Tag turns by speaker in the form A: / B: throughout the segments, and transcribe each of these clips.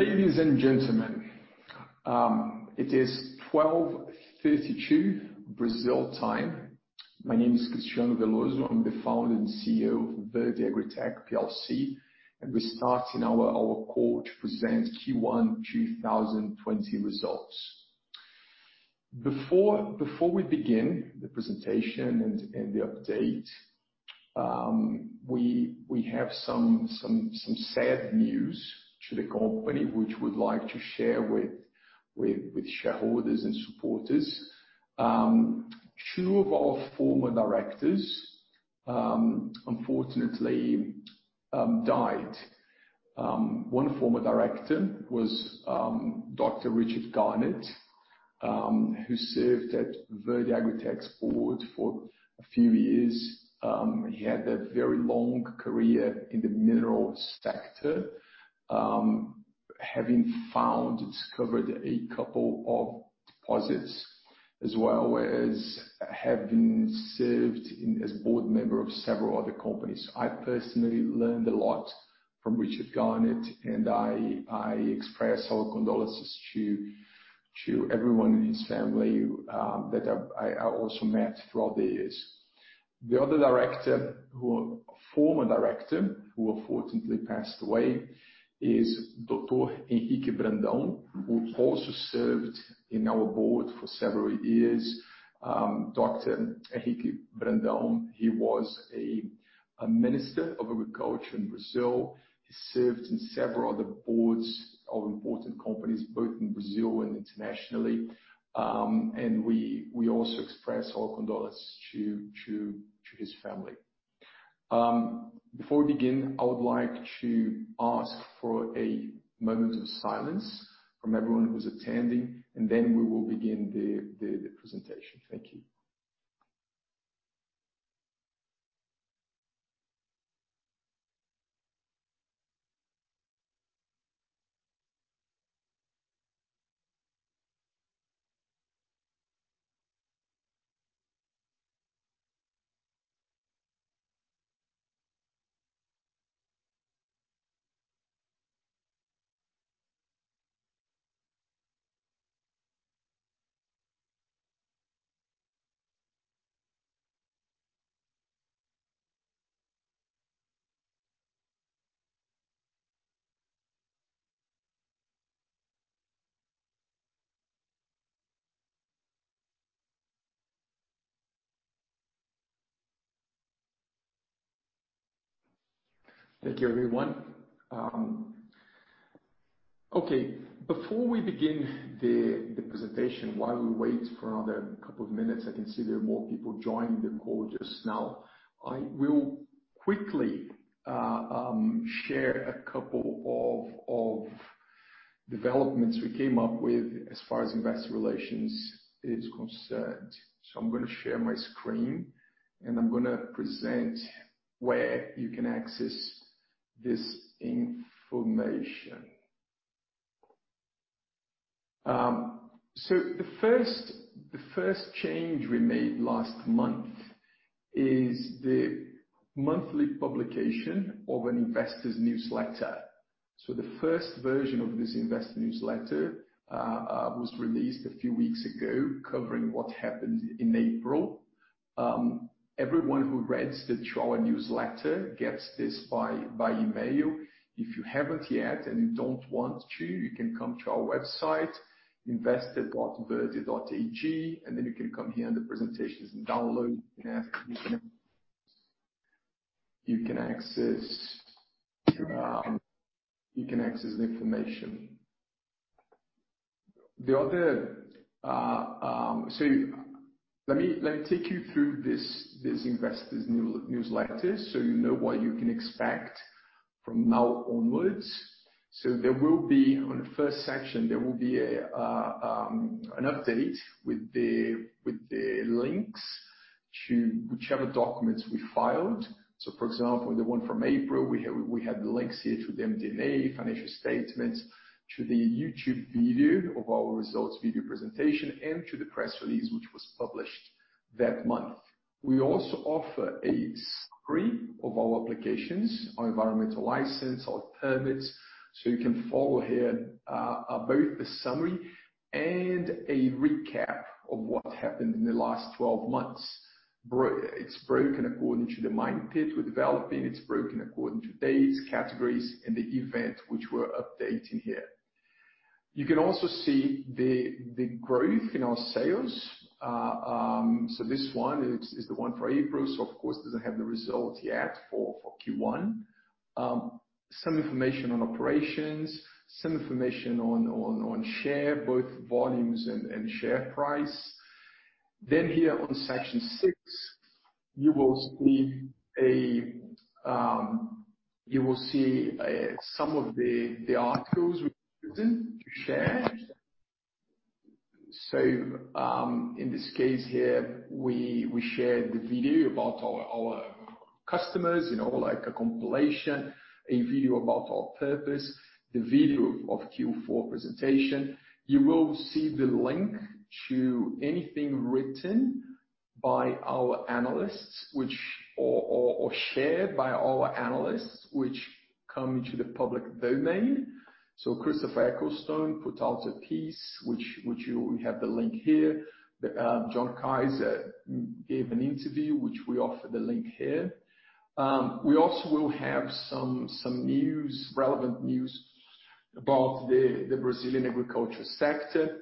A: Ladies and gentlemen, it is 12:32 Brazil time. My name is Cristiano Veloso. I'm the founder and CEO of Verde AgriTech PLC, and we're starting our call to present Q1 2020 results. Before we begin the presentation and the update, we have some sad news to the company which we'd like to share with shareholders and supporters. two of our former directors unfortunately died. One former director was Dr. Richard Garnett, who served at Verde AgriTech's board for a few years. He had a very long career in the mineral sector, having found and discovered a couple of deposits, as well as having served as board member of several other companies. I personally learned a lot from Richard Garnett, and I express our condolences to everyone in his family that I also met throughout the years. The other former director who unfortunately passed away is Dr. Henrique Brandão, who also served in our board for several years. Dr. Henrique Brandão, he was a Minister of Agriculture in Brazil. He served in several other boards of important companies, both in Brazil and internationally. We also express our condolences to his family. Before we begin, I would like to ask for a moment of silence from everyone who's attending, and then we will begin the presentation. Thank you. Thank you, everyone. Okay. Before we begin the presentation, while we wait for another couple of minutes, I can see there are more people joining the call just now. I will quickly share a couple of developments we came up with as far as investor relations is concerned. I'm going to share my screen, and I'm going to present where you can access this information. The first change we made last month is the monthly publication of an investor newsletter. The first version of this investor newsletter was released a few weeks ago, covering what happened in April. Everyone who registered to our newsletter gets this by email. If you haven't yet and you don't want to, you can come to our website, investor.verde.ag, and then you can come here and the presentation is in download and you can access the information. Let me take you through this investors newsletter so you know what you can expect from now onwards. There will be on the first section, there will be an update with the links to whichever documents we filed. For example, the one from April, we have the links here to the MD&A, financial statements, to the YouTube video of our results video presentation, and to the press release, which was published that month. We also offer a summary of our applications, our environmental license, our permits, so you can follow here both the summary and a recap of what happened in the last 12 months. It's broken according to the mine pit we're developing. It's broken according to dates, categories, and the event which we're updating here. You can also see the growth in our sales. This one is the one for April, so of course, it doesn't have the result yet for Q1. Some information on operations, some information on share, both volumes and share price. Here on section six, you will see some of the articles we've written to share. In this case here, we shared the video about our customers in all like a compilation, a video about our purpose, the video of Q1 Presentation. You will see the link to anything written by our analysts, or shared by our analysts, which come into the public domain. Christopher Ecclestone put out a piece, which we have the link here. John Kaiser gave an interview, which we offer the link here. We also will have some relevant news about the Brazilian agriculture sector.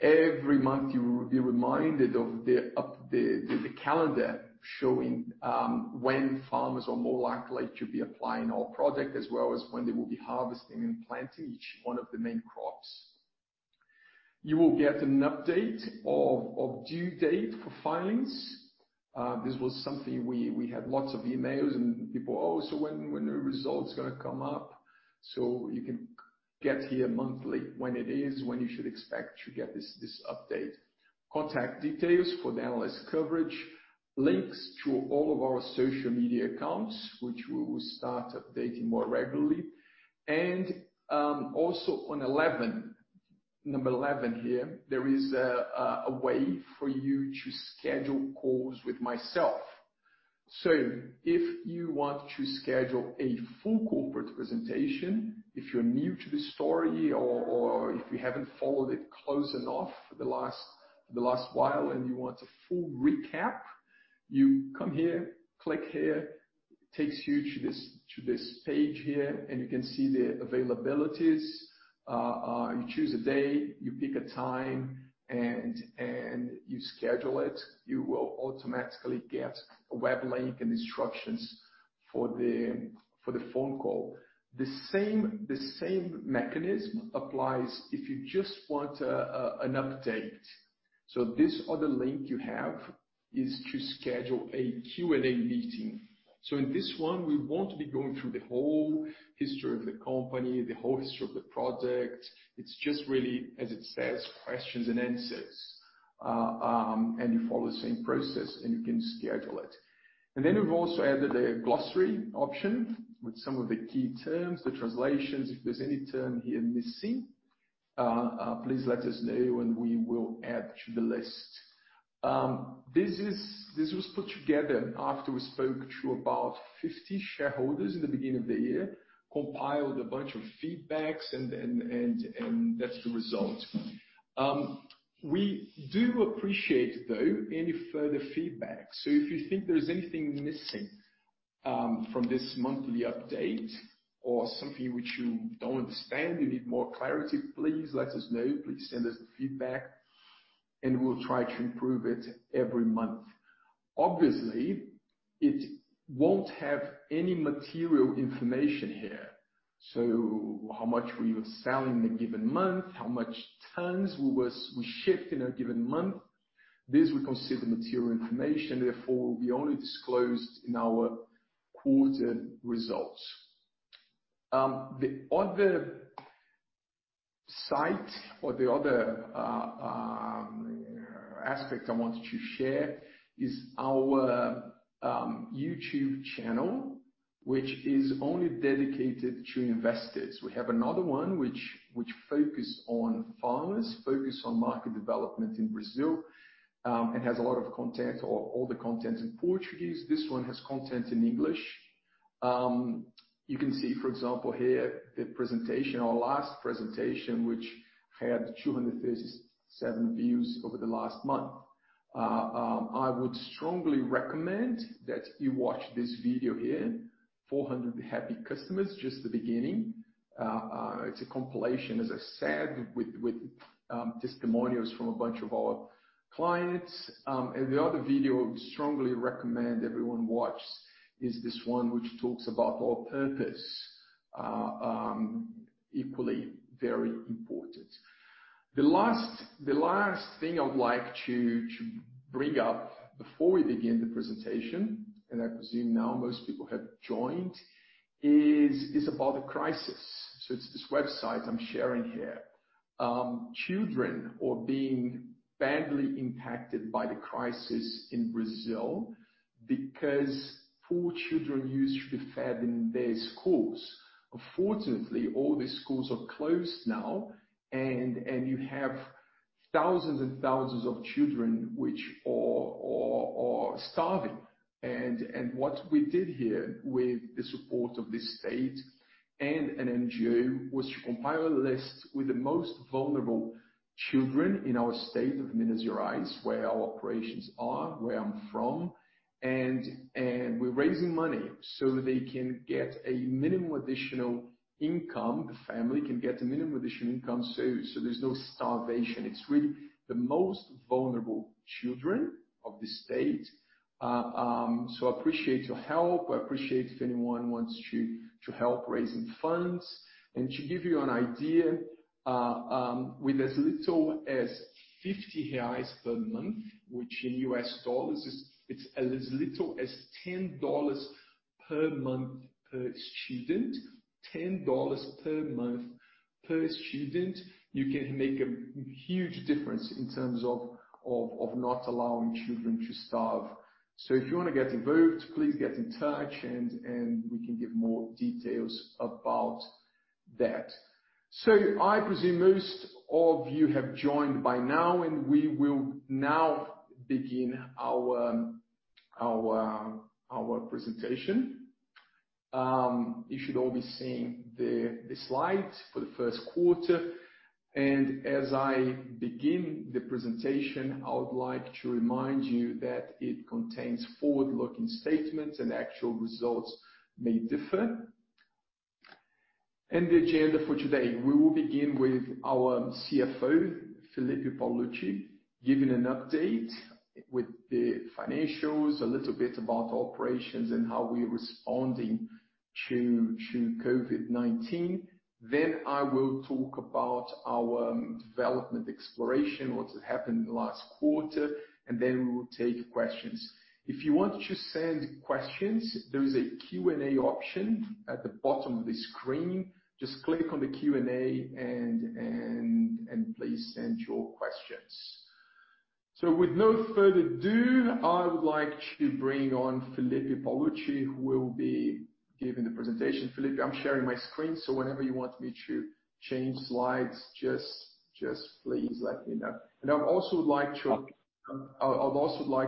A: Every month, you will be reminded of the calendar showing when farmers are more likely to be applying our product, as well as when they will be harvesting and planting each one of the main crops. You will get an update of due date for filings. This was something we had lots of emails and people, "Oh, so when are results going to come up?" You can get here monthly, when it is, when you should expect to get this update. Contact details for the analyst coverage, links to all of our social media accounts, which we will start updating more regularly. On 11, number 11 here, there is a way for you to schedule calls with myself. If you want to schedule a full corporate presentation, if you're new to the story or if you haven't followed it close enough for the last while, and you want a full recap, you come here, click here, it takes you to this page here, and you can see the availabilities. You choose a day, you pick a time, and you schedule it. You will automatically get a web link and instructions for the phone call. The same mechanism applies if you just want an update. This other link you have is to schedule a Q&A meeting. In this one, we won't be going through the whole history of the company, the whole history of the project. It's just really, as it says, questions and answers. You follow the same process, and you can schedule it. We've also added a glossary option with some of the key terms, the translations. If there's any term here missing, please let us know, and we will add to the list. This was put together after we spoke to about 50 shareholders in the beginning of the year, compiled a bunch of feedbacks, and that's the result. We do appreciate, though, any further feedback. If you think there's anything missing from this monthly update or something which you don't understand, you need more clarity, please let us know. Please send us feedback, and we'll try to improve it every month. Obviously, it won't have any material information here. How much we were selling in a given month, how many tons we shipped in a given month. This we consider material information, therefore, will be only disclosed in our quarter results. The other site or the other aspect I wanted to share is our YouTube channel, which is only dedicated to investors. We have another one which focus on farmers, focus on market development in Brazil, and has a lot of content, or all the content in Portuguese. This one has content in English. You can see, for example, here, the presentation, our last presentation, which had 237 views over the last month. I would strongly recommend that you watch this video here, 400 Happy Customers, Just the Beginning. It's a compilation, as I said, with testimonials from a bunch of our clients. The other video we strongly recommend everyone watch is this one, which talks about our purpose. Equally very important. The last thing I would like to bring up before we begin the presentation, and I presume now most people have joined, is about the crisis. It's this website I'm sharing here. Children are being badly impacted by the crisis in Brazil because poor children used to be fed in their schools. Unfortunately, all the schools are closed now, and you have thousands and thousands of children which are starving. What we did here with the support of the state and an NGO, was to compile a list with the most vulnerable children in our state of Minas Gerais, where our operations are, where I'm from. We're raising money so they can get a minimum additional income, the family can get a minimum additional income, so there's no starvation. It's really the most vulnerable children of the state. I appreciate your help. I appreciate if anyone wants to help raising funds. To give you an idea, with as little as 50 reais per month, which in U.S. dollars is as little as $10 per month per student. You can make a huge difference in terms of not allowing children to starve. If you want to get involved, please get in touch and we can give more details about that. I presume most of you have joined by now, and we will now begin our presentation. You should all be seeing the slides for the first quarter. As I begin the presentation, I would like to remind you that it contains forward-looking statements and actual results may differ. The agenda for today, we will begin with our CFO, Felipe Paolucci, giving an update with the financials, a little bit about operations and how we're responding to COVID-19. I will talk about our development exploration, what has happened in the last quarter, and then we will take questions. If you want to send questions, there is a Q&A option at the bottom of the screen. Just click on the Q&A and please send your questions. With no further ado, I would like to bring on Felipe Paolucci, who will be giving the presentation. Felipe, I'm sharing my screen, so whenever you want me to change slides, just please let me know. I'd also like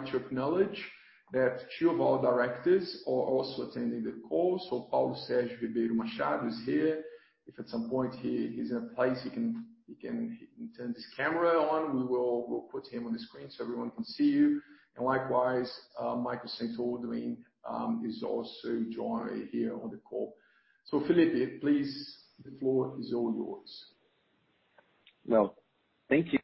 A: to acknowledge that two of our directors are also attending the call. Paulo Sérgio Ribeiro Machado is here. If at some point he's in a place he can turn his camera on, we will put him on the screen so everyone can see you. Likewise, Michael St Aldwyn is also joining here on the call. Felipe, please, the floor is all yours.
B: Well, thank you.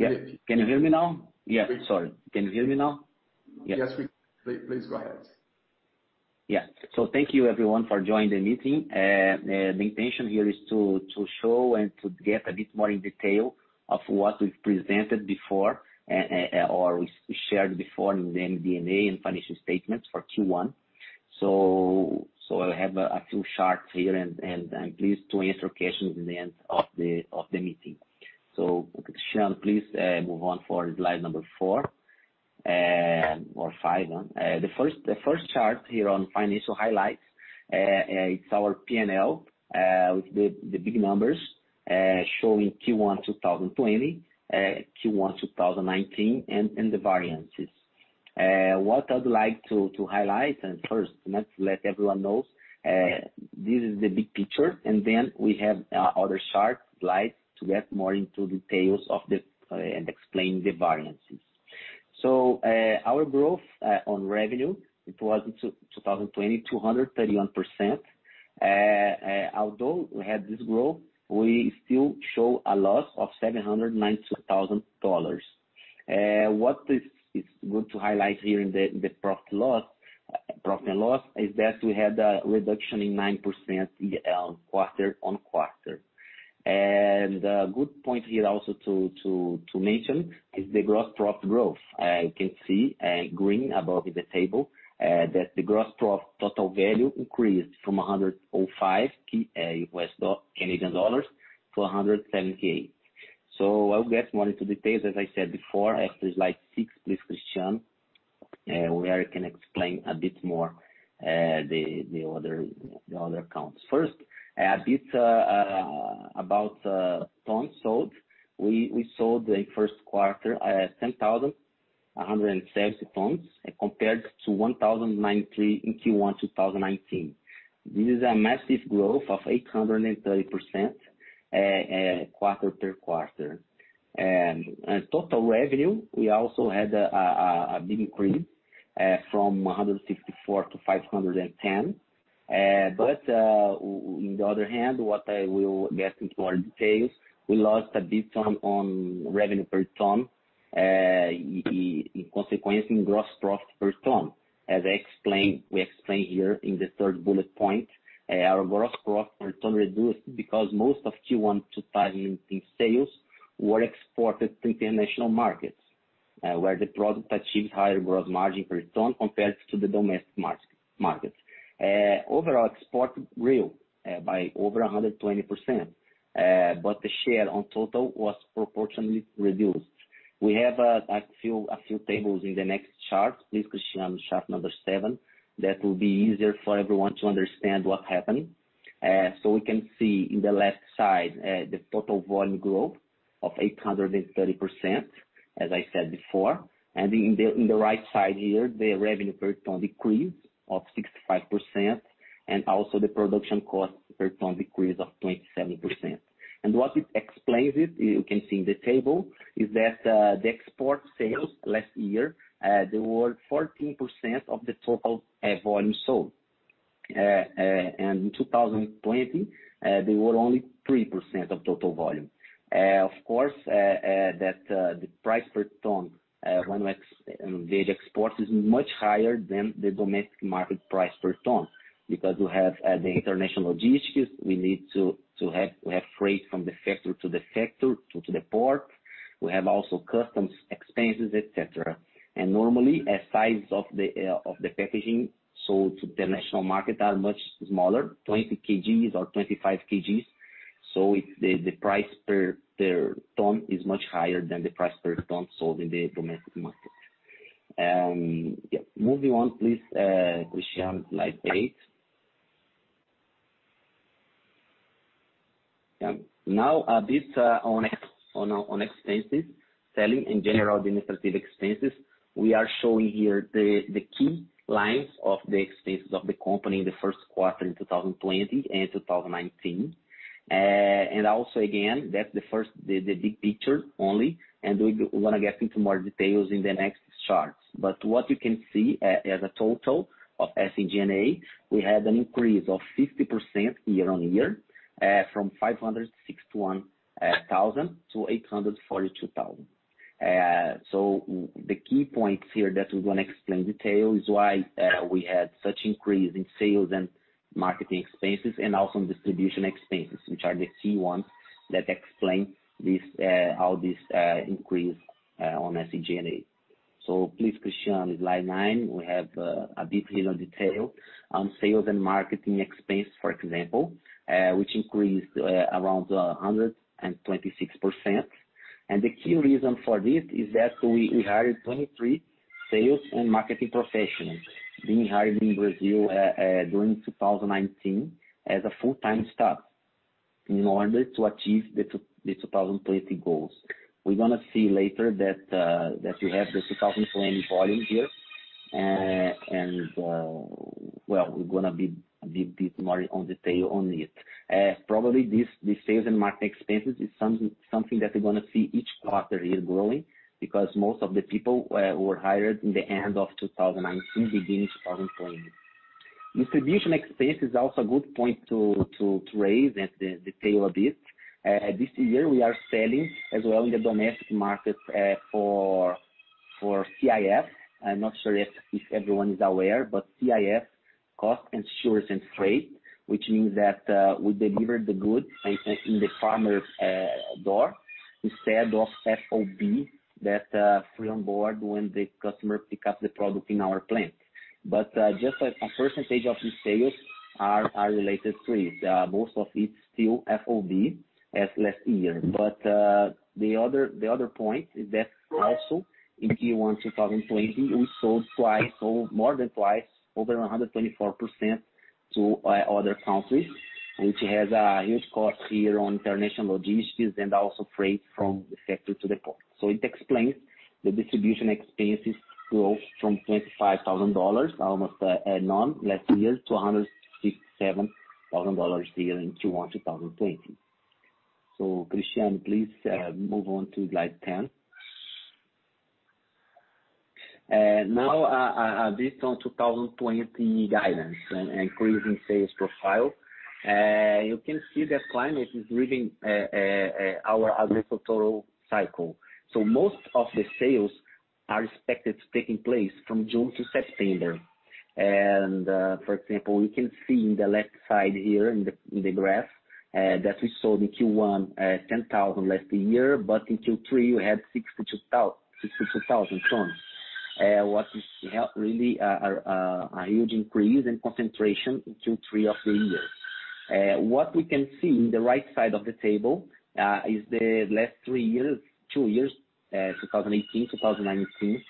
B: Yes. Can you hear me now?
A: Yes.
B: Sorry. Can you hear me now? Yes.
A: Yes, we can. Please go ahead.
B: Yeah. Thank you everyone for joining the meeting. The intention here is to show and to get a bit more in detail of what we've presented before, or we shared before in the MD&A and financial statements for Q1. I have a few charts here and please to answer questions in the end of the meeting. Cristiano, please move on for slide number four or five. The first chart here on financial highlights, it's our P&L, with the big numbers, showing Q1 2020, Q1 2019, and the variances. What I'd like to highlight, and first let everyone know, this is the big picture, and then we have other chart slides to get more into details of this and explain the variances. Our growth on revenue, it was in 2020, 231%. Although we had this growth, we still show a loss of BRL 792,000. What is good to highlight here in the profit and loss is that we had a reduction in 9% quarter-on-quarter. A good point here also to mention is the gross profit growth. You can see in green above the table that the gross profit total value increased from 105K Canadian dollars to 170K Canadian dollars. I'll get more into details as I said before. After slide six, please Cristiano, where I can explain a bit more the other accounts. First, a bit about tons sold. We sold the first quarter, 10,170 tons compared to 1,093 in Q1 2019. This is a massive growth of 830% quarter-over-quarter. Total revenue, we also had a big increase, from 164 to 510. In the other hand, what I will get into more details, we lost a bit on revenue per ton, in consequence in gross profit per ton. As we explained here in the third bullet point, our gross profit per ton reduced because most of Q1 2019 sales were exported to international markets, where the product achieves higher gross margin per ton compared to the domestic markets. Overall export grew by over 120%, but the share on total was proportionately reduced. We have a few tables in the next chart. Please, Cristiano, chart number seven. That will be easier for everyone to understand what happened. We can see in the left side, the total volume growth of 830%, as I said before. In the right side here, the revenue per ton decreased of 65%, and also the production cost per ton decreased of 27%. What it explains it, you can see in the table, is that the export sales last year, they were 14% of the total volume sold. In 2020, they were only 3% of total volume. Of course, the price per ton when they export is much higher than the domestic market price per ton, because we have the international logistics. We need to have freight from the factory to the port. We have also customs expenses, et cetera. Normally, a size of the packaging sold to the national market are much smaller, 20 kg or 25 kg. The price per ton is much higher than the price per ton sold in the domestic market. Yeah. Moving on, please, Cristiano, slide eight. Now, a bit on expenses, Selling, General and Administrative expenses. We are showing here the key lines of the expenses of the company in the first quarter in 2020 and 2019. Also, again, that's the big picture only, and we want to get into more details in the next charts. What you can see, as a total of SG&A, we had an increase of 50% year-on-year, from 561,000 to 842,000. The key points here that we're going to explain in detail is why we had such increase in sales and marketing expenses, and also in distribution expenses, which are the key ones that explain how this increase on SG&A. Please, Cristiano Veloso, slide nine. We have a bit little detail on sales and marketing expense, for example, which increased around 126%. The key reason for this is that we hired 23 sales and marketing professionals, being hired in Brazil during 2019 as a full-time staff in order to achieve the 2020 goals. We're going to see later that you have the 2020 volume here, and, well, we're going to be a bit more on detail on it. Probably, the sales and marketing expenses is something that we're going to see each quarter is growing, because most of the people who were hired in the end of 2019 begin 2020. Distribution expense is also a good point to raise and detail a bit. This year, we are selling as well in the domestic market for CIF. I'm not sure if everyone is aware, but CIF, Cost, Insurance and Freight, which means that we deliver the goods in the farmer's door instead of FOB, that Free On Board, when the customer pick up the product in our plant. Just a percentage of the sales are related to it. Most of it's still FOB as last year. The other point is that also in Q1 2020, we sold more than twice, over 124%, to other countries, which has a huge cost here on international logistics and also freight from the factory to the port. It explains the distribution expenses growth from BRL 25,000, almost none last year, to BRL 167,000 here in Q1 2020. Cristiano, please move on to slide 10. Now, a bit on 2020 guidance and increasing sales profile. You can see that climate is driving our agricultural cycle. Most of the sales are expected to take place from June to September. For example, you can see in the left side here in the graph, that we saw in Q1 10,000 last year, but in Q3, we had 62,000 tons. What is really a huge increase in concentration in Q3 of the year. What we can see in the right side of the table is the last three years, two years, 2018, 2019,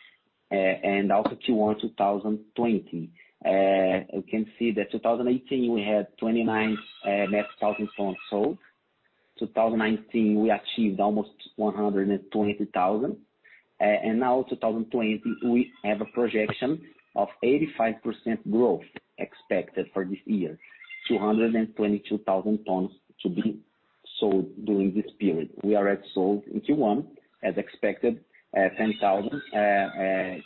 B: and also Q1 2020. You can see that 2018, we had 29,000 tons sold. 2019, we achieved almost 120,000. Now 2020, we have a projection of 85% growth expected for this year, 222,000 tons to be sold during this period. We already sold in Q1, as expected, 10,000.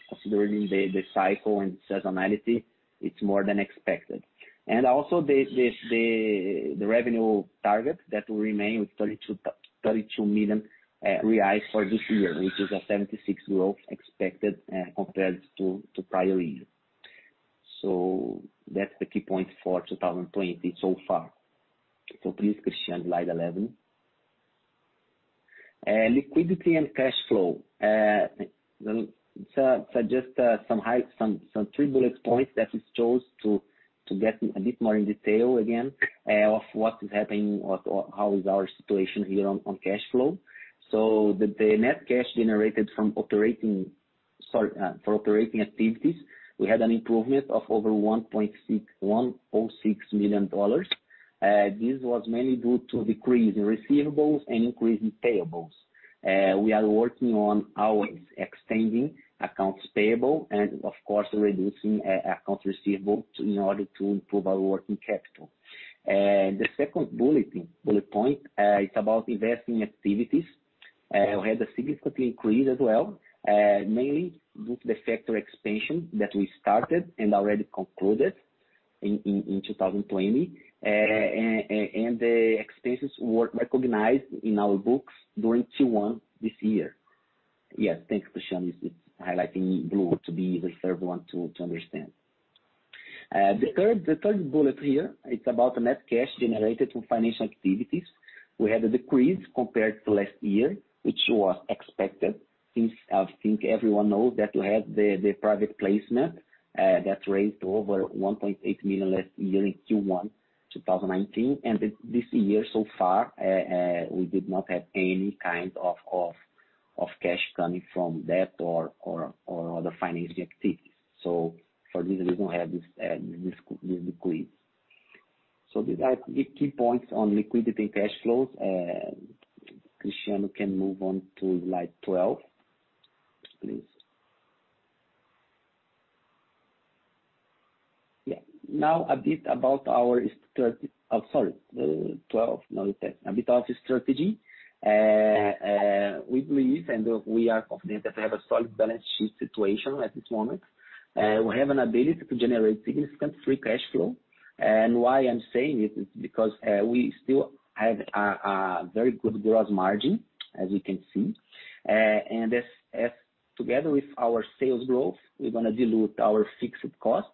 B: Considering the cycle and seasonality, it's more than expected. The revenue target that will remain with 32 million reais for this year, which is a 76% growth expected compared to prior year. That's the key point for 2020 so far. Please, Cristiano, slide 11. Liquidity and cash flow. Just some three bullet points that we chose to get a bit more in detail again, of what is happening or how is our situation here on cash flow. The net cash generated from operating activities, we had an improvement of over BRL 1.06 million. This was mainly due to decrease in receivables and increase in payables. We are working on always extending accounts payable and of course, reducing accounts receivable in order to improve our working capital. The second bullet point is about investing activities. We had a significant increase as well, mainly with the factory expansion that we started and already concluded in 2020. The expenses were recognized in our books during Q1 this year. Yes. Thanks, Cristiano. It's highlighted in blue to be the third one to understand. The third bullet here, it's about the net cash generated from financial activities. We had a decrease compared to last year, which was expected since I think everyone knows that we had the private placement that raised over 1.8 million last year in Q1 2019. This year so far, we did not have any kind of cash coming from debt or other financing activities. For this reason, we have this decrease. These are the key points on liquidity and cash flows. Cristiano can move on to slide 12, please. Now a bit about our strategy. We believe, and we are confident that we have a solid balance sheet situation at this moment. We have an ability to generate significant free cash flow. Why I'm saying this is because we still have a very good gross margin, as you can see. Together with our sales growth, we're going to dilute our fixed costs.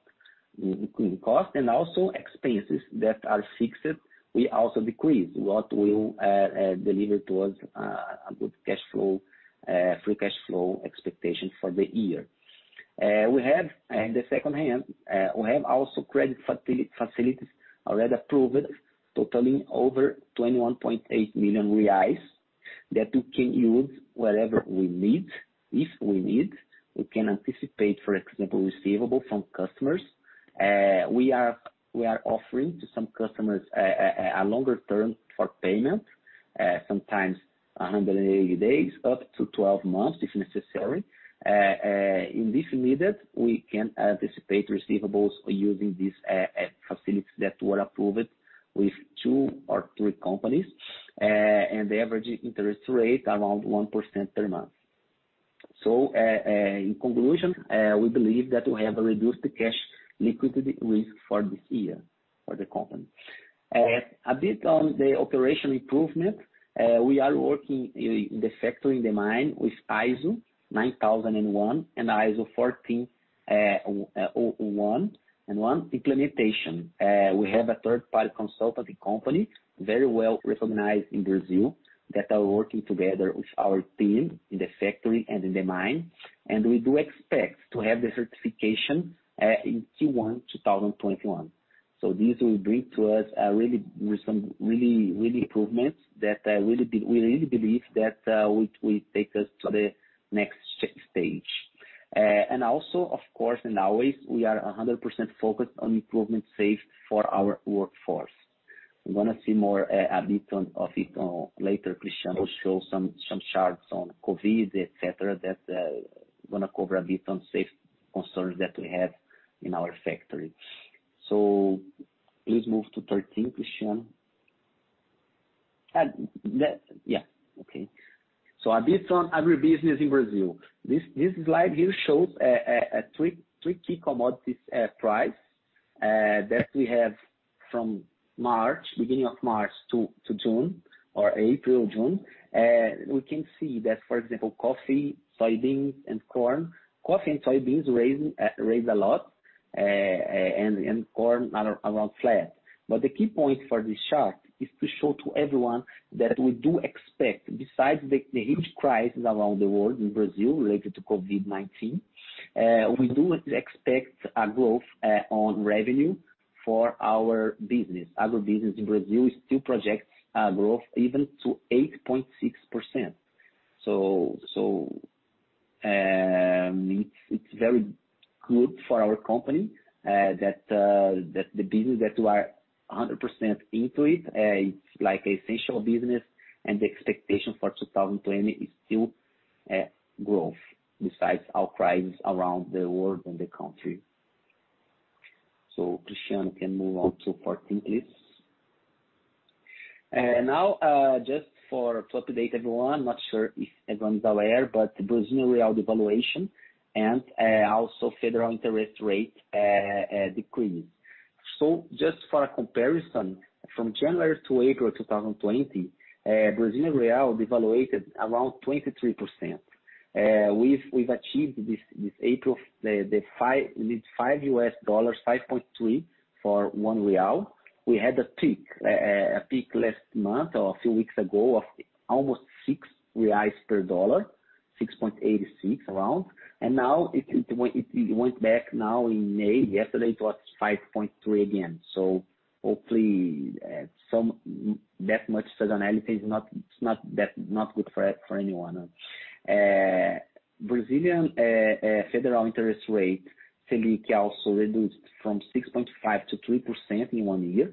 B: Including cost and also expenses that are fixed, we also decrease what will deliver to us a good cash flow, free cash flow expectation for the year. We have, in the second hand, we have also credit facilities already approved totaling over 21.8 million reais that we can use wherever we need, if we need. We can anticipate, for example, receivables from customers. We are offering to some customers a longer term for payment, sometimes 180 days up to 12 months if necessary. If needed, we can anticipate receivables using these facilities that were approved with two or three companies. The average interest rate around 1% per month. In conclusion, we believe that we have reduced the cash liquidity risk for this year for the company. A bit on the operational improvement. We are working in the factory and the mine with ISO 9001 and ISO 14001 implementation. We have a third-party consultancy company, very well-recognized in Brazil, that are working together with our team in the factory and in the mine. We do expect to have the certification in Q1 2021. This will bring to us some really improvements that we really believe that will take us to the next stage. Also, of course, and always, we are 100% focused on improvement safe for our workforce. We're going to see more a bit of it later. Cristiano will show some charts on COVID, et cetera, that we are going to cover a bit on safety concerns that we have in our factory. Please move to 13, Cristiano. A bit on agribusiness in Brazil. This slide here shows three key commodities price that we have from March, beginning of March to June or April, June. We can see that, for example, coffee, soybeans and corn. Coffee and soybeans raised a lot, and corn around flat. The key point for this chart is to show to everyone that we do expect, besides the huge crisis around the world and Brazil related to COVID-19, we do expect a growth on revenue for our business. Agribusiness in Brazil still projects a growth even to 8.6%. It's very good for our company that the business that you are 100% into it's like an essential business, and the expectation for 2020 is still growth besides our crisis around the world and the country. Cristiano can move on to 14, please. Now, just for to update everyone, I'm not sure if everyone's aware, but the Brazilian real devaluation and also federal interest rate decreased. Just for a comparison, from January to April 2020, Brazilian real devaluated around 23%. We've achieved this April, the $5, 5.3 for 1 real. We had a peak last month or a few weeks ago of almost 6 reais per dollar, 6.86 around. Now it went back now in May. Yesterday it was 5.3 again, so hopefully that much seasonality is not good for anyone. Brazilian federal interest rate, SELIC, also reduced from 6.5%-3% in one year,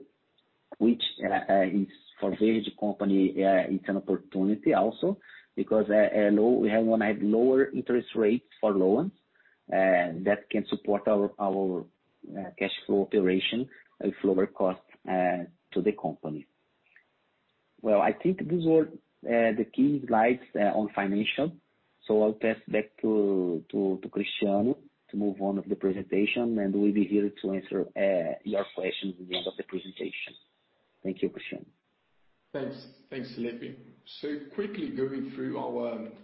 B: which is for Verde company, it's an opportunity also because we want to have lower interest rates for loans. That can support our cash flow operation with lower cost to the company. Well, I think these were the key slides on financial. I'll pass back to Cristiano to move on with the presentation. We'll be here to answer your questions at the end of the presentation. Thank you, Cristiano.
A: Thanks, Felipe. Quickly going through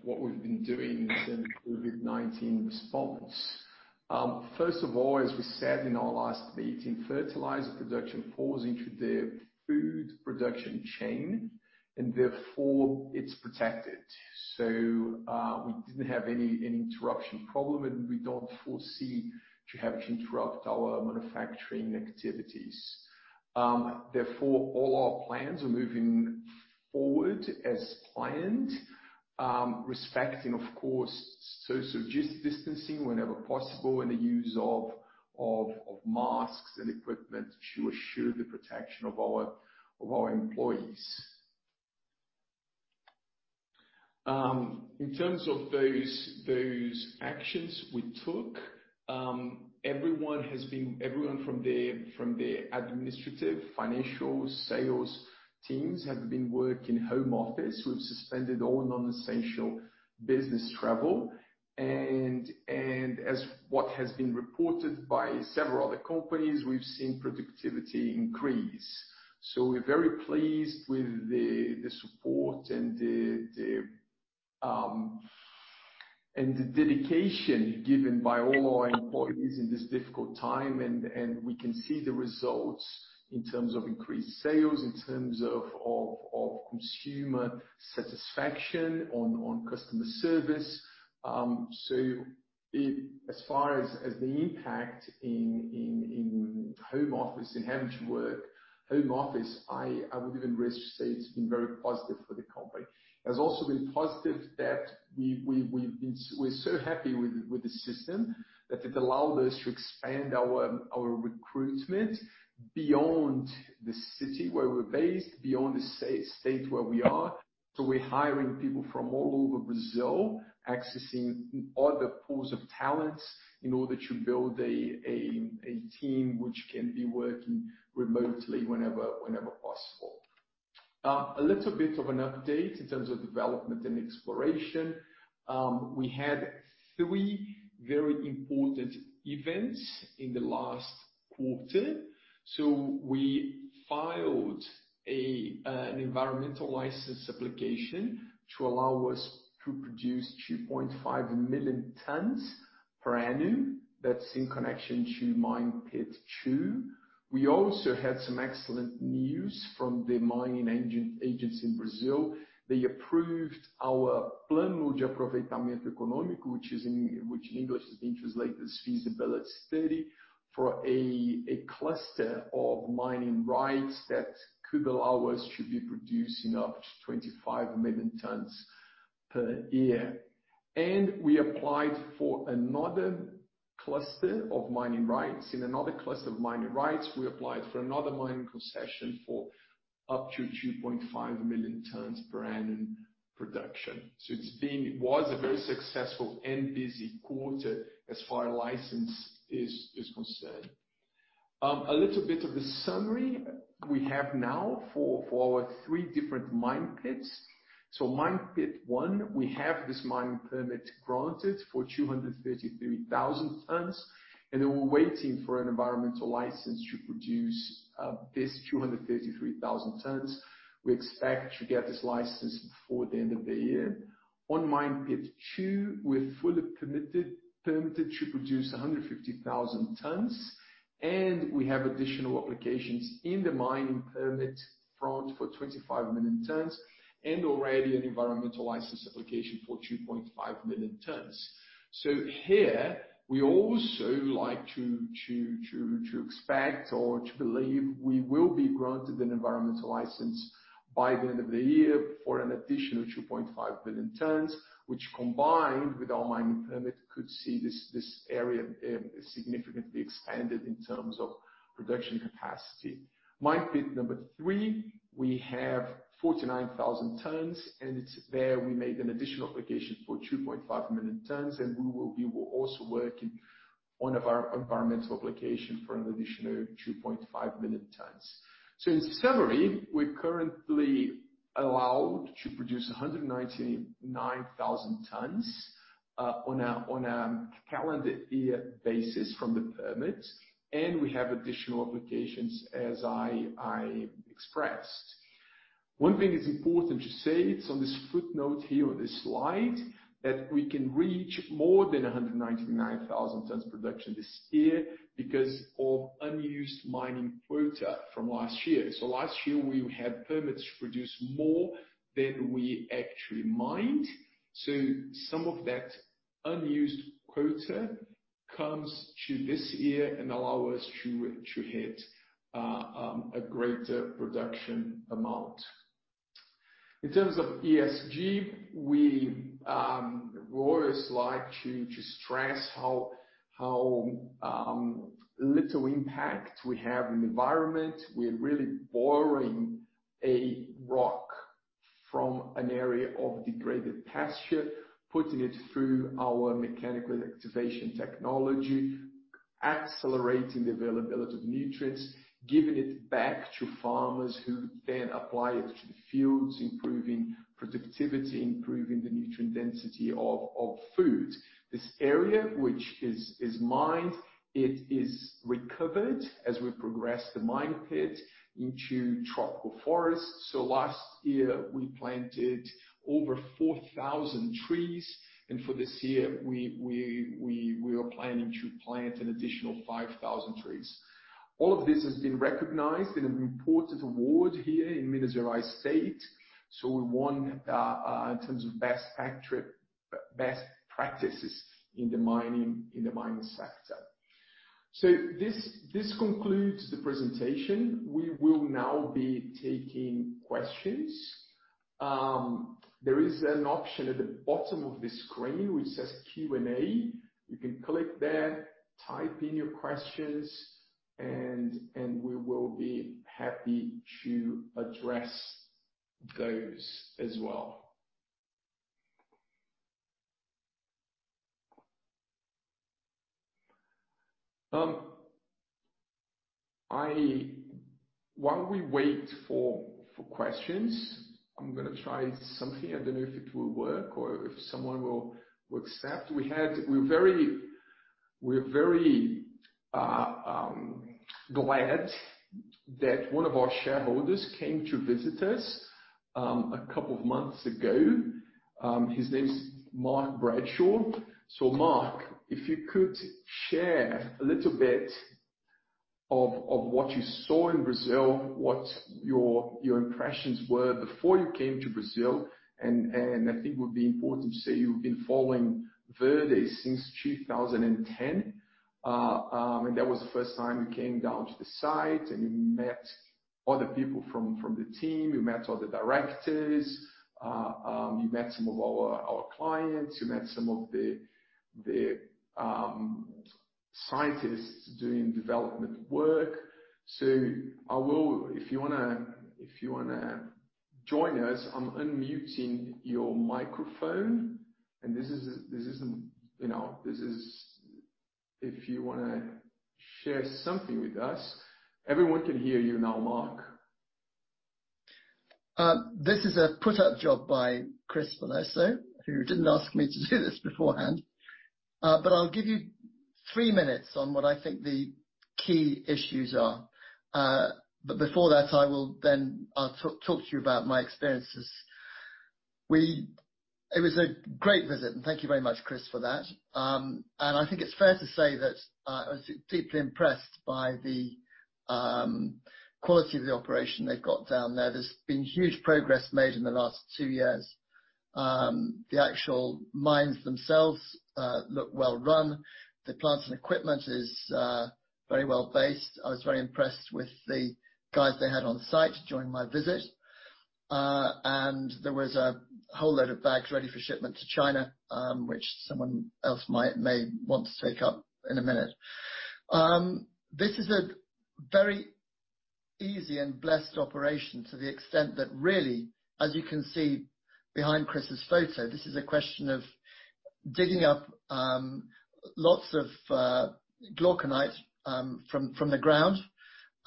A: what we've been doing in the COVID-19 response. First of all, as we said in our last meeting, fertilizer production falls into the food production chain, and therefore, it's protected. We didn't have any interruption problem, and we don't foresee to have to interrupt our manufacturing activities. All our plans are moving forward as planned, respecting, of course, social distancing whenever possible and the use of masks and equipment to assure the protection of our employees. In terms of those actions we took, everyone from the administrative, financial, sales teams have been working home office. We've suspended all non-essential business travel, and as what has been reported by several other companies, we've seen productivity increase. We're very pleased with the support and the dedication given by all our employees in this difficult time, and we can see the results in terms of increased sales, in terms of consumer satisfaction on customer service. As far as the impact in home office and having to work home office, I would even dare to say it's been very positive for the company. It has also been positive that we're so happy with the system, that it allowed us to expand our recruitment beyond the city where we're based, beyond the state where we are. We're hiring people from all over Brazil, accessing other pools of talents in order to build a team which can be working remotely whenever possible. A little bit of an update in terms of development and exploration. We had three very important events in the last quarter. We filed an environmental license application to allow us to produce 2.5 million tons per annum. That's in connection to Mine Pit 2. We also had some excellent news from the mining agency in Brazil. They approved our Plano de Aproveitamento Econômico, which in English has been translated as feasibility study for a cluster of mining rights that could allow us to be producing up to 25 million tons per year. We applied for another cluster of mining rights. In another cluster of mining rights, we applied for another mining concession for up to 2.5 million tons per annum production. It was a very successful and busy quarter as far as license is concerned. A little bit of a summary we have now for our three different mine pits. Mine Pit 1, we have this mining permit granted for 233,000 tons, and then we're waiting for an environmental license to produce these 233,000 tons. We expect to get this license before the end of the year. On Mine Pit 2, we're fully permitted to produce 150,000 tons, and we have additional applications in the mining permit front for 25 million tons, and already an environmental license application for 2.5 million tons. Here, we also like to expect or to believe we will be granted an environmental license by the end of the year for an additional 2.5 million tons, which combined with our mining permit, could see this area significantly expanded in terms of production capacity. Mine Pit number three, we have 49,000 tons, and it's there we made an additional application for 2.5 million tons, and we will be also working on environmental application for an additional 2.5 million tons. In summary, we're currently allowed to produce 199,000 tons on a calendar year basis from the permits, and we have additional applications as I expressed. One thing is important to say, it's on this footnote here on this slide, that we can reach more than 199,000 tons production this year because of unused mining quota from last year. Last year, we had permits to produce more than we actually mined, so some of that unused quota comes to this year and allow us to hit a greater production amount. In terms of ESG, we always like to stress how little impact we have in the environment. We're really borrowing a rock from an area of degraded pasture, putting it through our mechanical activation technology, accelerating the availability of nutrients, giving it back to farmers who then apply it to the fields, improving productivity, improving the nutrient density of food. This area, which is mined, it is recovered as we progress the mine pit into tropical forest. Last year, we planted over 4,000 trees, and for this year we are planning to plant an additional 5,000 trees. All of this has been recognized in an important award here in Minas Gerais State. We won in terms of Best Practices in the Mining Sector. This concludes the presentation. We will now be taking questions. There is an option at the bottom of the screen which says Q&A. You can click there, type in your questions, and we will be happy to address those as well. While we wait for questions, I'm going to try something. I don't know if it will work or if someone will accept. We're very glad that one of our shareholders came to visit us a couple of months ago. His name is Mark Bradshaw. Mark, if you could share a little bit of what you saw in Brazil, what your impressions were before you came to Brazil, and I think it would be important to say you've been following Verde since 2010. That was the first time you came down to the site, and you met other people from the team, you met all the directors, you met some of our clients, you met some of the scientists doing development work. If you want to join us, I'm unmuting your microphone, and if you want to share something with us, everyone can hear you now, Mark.
C: This is a put up job by Chris Veloso, who didn't ask me to do this beforehand. I'll give you three minutes on what I think the key issues are. Before that, I will then talk to you about my experiences. It was a great visit, thank you very much, Chris, for that. I think it's fair to say that I was deeply impressed by the quality of the operation they've got down there. There's been huge progress made in the last two years. The actual mines themselves look well run. The plant and equipment is very well-based. I was very impressed with the guys they had on site during my visit. There was a whole load of bags ready for shipment to China, which someone else may want to take up in a minute. This is a very easy and blessed operation to the extent that really, as you can see behind Chris's photo, this is a question of digging up lots of glauconite from the ground.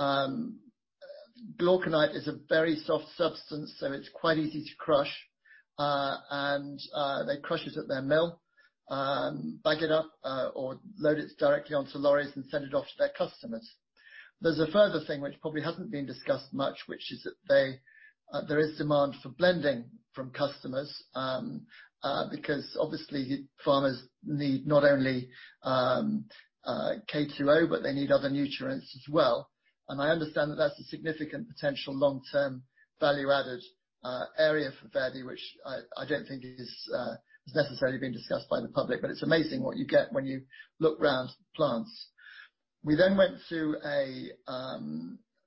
C: glauconite is a very soft substance, so it's quite easy to crush. They crush it at their mill, bag it up, or load it directly onto lorries and send it off to their customers. There's a further thing which probably hasn't been discussed much, which is that there is demand for blending from customers, because obviously farmers need not only K2O, but they need other nutrients as well. I understand that that's a significant potential long-term value-added area for Verde, which I don't think has necessarily been discussed by the public, but it's amazing what you get when you look around plants. We went to a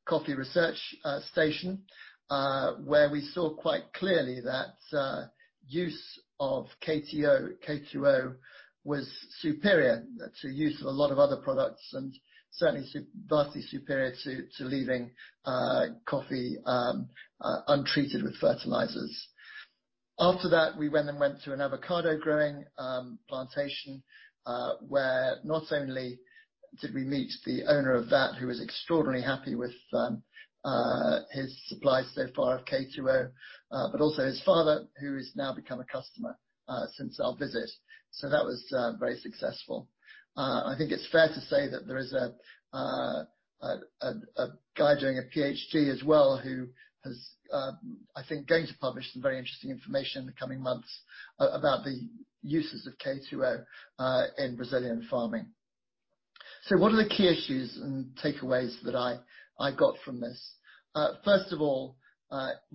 C: coffee research station, where we saw quite clearly that use of K2O was superior to use of a lot of other products and certainly vastly superior to leaving coffee untreated with fertilizers. After that, we went to an avocado growing plantation, where not only did we meet the owner of that, who was extraordinarily happy with his supply so far of K2O, but also his father, who has now become a customer since our visit. That was very successful. I think it's fair to say that there is a guy doing a PhD as well who is, I think, going to publish some very interesting information in the coming months about the uses of K2O in Brazilian farming. What are the key issues and takeaways that I got from this?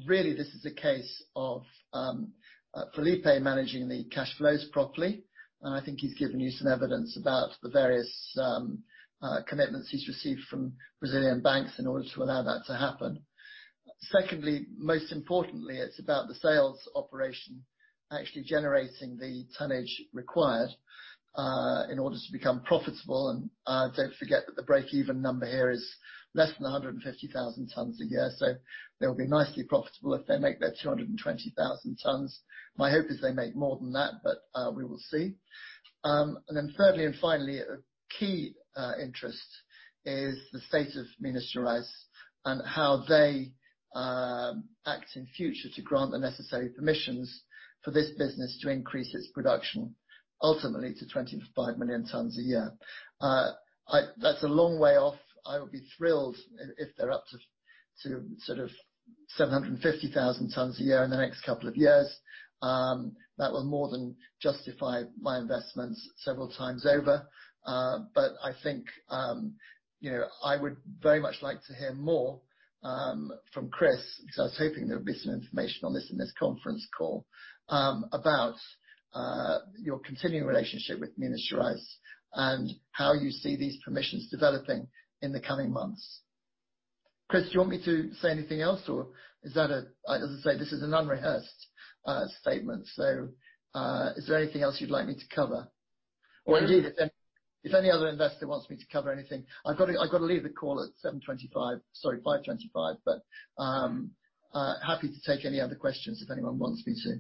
C: Really this is a case of Felipe managing the cash flows properly, and I think he's given you some evidence about the various commitments he's received from Brazilian banks in order to allow that to happen. Most importantly, it's about the sales operation actually generating the tonnage required in order to become profitable. Don't forget that the break-even number here is less than 150,000 tons a year, so they'll be nicely profitable if they make their 220,000 tons. My hope is they make more than that, we will see. Thirdly and finally, a key interest is the state of Minas Gerais and how they act in future to grant the necessary permissions for this business to increase its production, ultimately to 25 million tons a year. That's a long way off. I would be thrilled if they're up to 750,000 tons a year in the next couple of years. That will more than justify my investments several times over. I think, I would very much like to hear more from Chris, because I was hoping there would be some information on this in this conference call, about your continuing relationship with Minas Gerais and how you see these permissions developing in the coming months. Chris, do you want me to say anything else, or is that it? As I say, this is an unrehearsed statement. Is there anything else you'd like me to cover? Indeed, if any other investor wants me to cover anything. I've got to leave the call at 7:25, sorry, 5:25, but happy to take any other questions if anyone wants me to.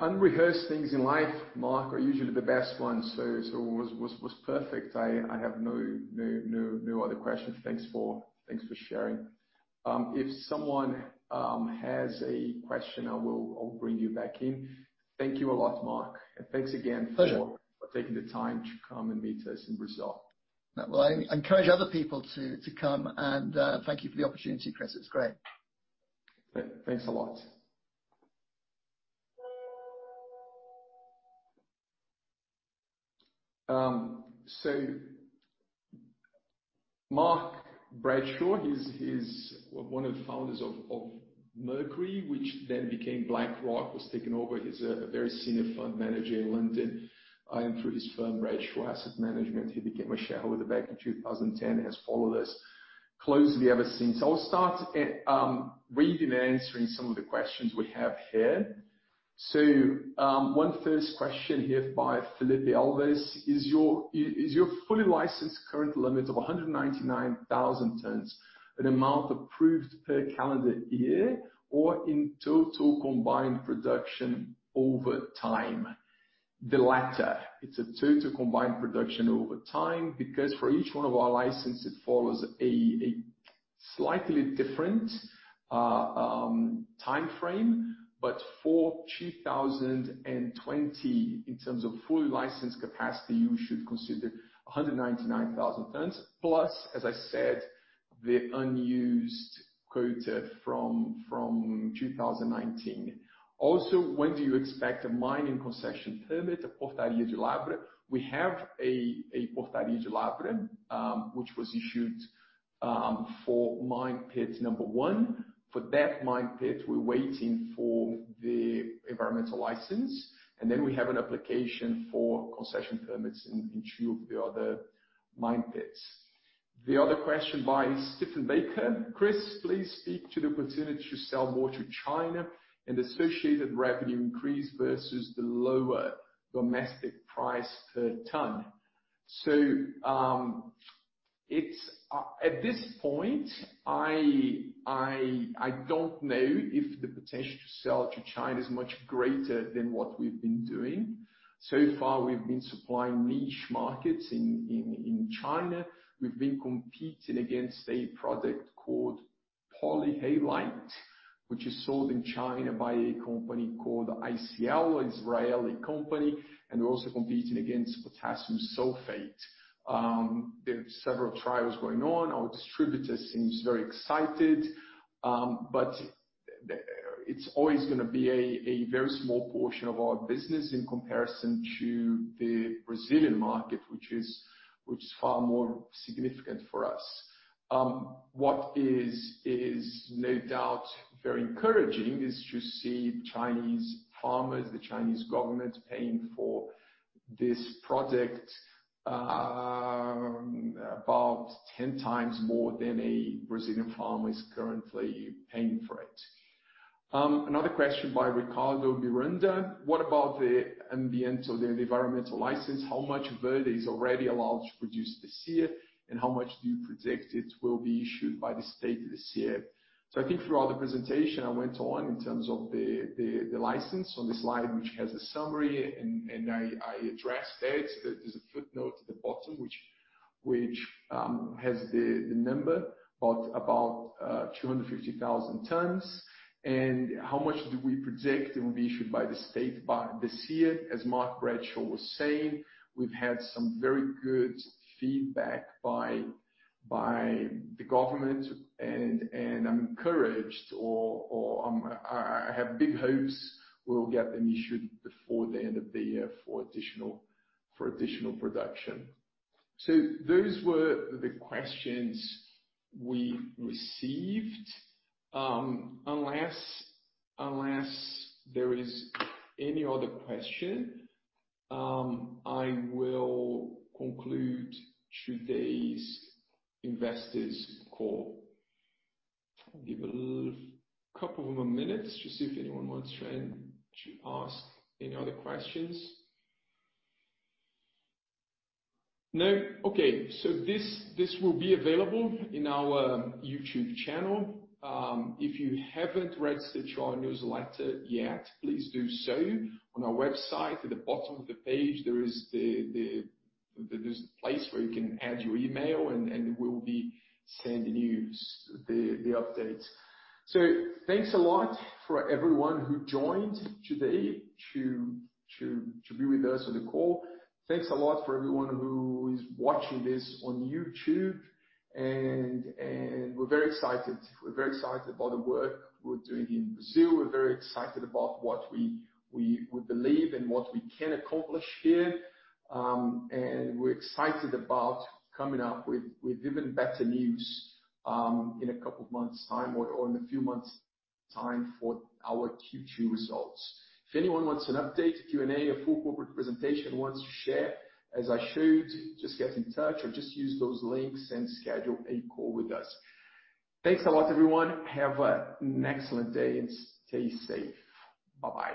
A: Unrehearsed things in life, Mark, are usually the best ones, so it was perfect. I have no other questions. Thanks for sharing. If someone has a question, I will bring you back in. Thank you a lot, Mark. thanks again-
C: Pleasure
A: For taking the time to come and meet us in Brazil.
C: Well, I encourage other people to come and thank you for the opportunity, Chris. It's great.
A: Thanks a lot. Mark Bradshaw, he's one of the founders of Mercury, which then became BlackRock, was taken over. He's a very senior fund manager in London. Through his firm, Bradshaw Asset Management, he became a shareholder back in 2010 and has followed us closely ever since. I'll start reading and answering some of the questions we have here. One first question here by Philippe Alves, "Is your fully licensed current limit of 199,000 tons an amount approved per calendar year or in total combined production over time?" The latter. It's a total combined production over time, because for each one of our licenses, it follows a slightly different timeframe. For 2020, in terms of fully licensed capacity, you should consider 199,000 tons, plus, as I said, the unused quota from 2019. Also, when do you expect a mining concession permit of Portaria de Lavra? We have a Portaria de Lavra which was issued for mine pit number one. For that mine pit, we're waiting for the environmental license, and then we have an application for concession permits in two of the other mine pits. The other question by Stephen Baker. Chris, please speak to the opportunity to sell more to China and associated revenue increase versus the lower domestic price per ton. At this point, I don't know if the potential to sell to China is much greater than what we've been doing. So far, we've been supplying niche markets in China. We've been competing against a product called polyhalite, which is sold in China by a company called ICL, an Israeli company, and we're also competing against potassium sulfate. There are several trials going on. Our distributor seems very excited. It's always going to be a very small portion of our business in comparison to the Brazilian market, which is far more significant for us. What is no doubt very encouraging is to see Chinese farmers, the Chinese government paying for this product about 10x more than a Brazilian farmer is currently paying for it. Another question by Ricardo Miranda. "What about the ambiental, the environmental license? How much Verde is already allowed to produce this year, and how much do you predict it will be issued by the state this year?" I think throughout the presentation, I went on in terms of the license on the slide, which has a summary, and I addressed it. There's a footnote at the bottom which has the number, but about 250,000 tons. How much do we predict it will be issued by the state this year? As Mark Bradshaw was saying, we've had some very good feedback by the government and I'm encouraged or I have big hopes we'll get them issued before the end of the year for additional production. Those were the questions we received. Unless there is any other question, I will conclude today's investors call. I'll give a couple more minutes to see if anyone wants to ask any other questions. No. Okay. This will be available in our YouTube channel. If you haven't registered to our newsletter yet, please do so on our website. At the bottom of the page, there's a place where you can add your email, and we will be sending you the updates. Thanks a lot for everyone who joined today to be with us on the call. Thanks a lot for everyone who is watching this on YouTube, and we're very excited about the work we're doing in Brazil. We're very excited about what we believe and what we can accomplish here. We're excited about coming up with even better news in a couple of months' time or in a few months' time for our Q2 results. If anyone wants an update, a Q&A, a full corporate presentation, wants to share, as I showed, just get in touch or just use those links and schedule a call with us. Thanks a lot, everyone. Have an excellent day and stay safe. Bye-bye.